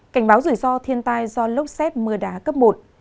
cảnh báo rủi ro thiên tai do lốc xét mưa đá cấp một